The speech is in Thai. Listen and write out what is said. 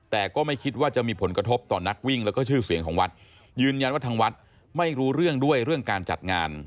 แต่ก็ไม่คิดว่าจะมีผลกระทบต่อนักวิ่งแล้วก็ชื่อเสียงของวัดยืนยันว่าทางวัดไม่รู้เรื่องด้วยเรื่องการจัดงาน